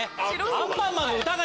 『アンパンマン』の歌が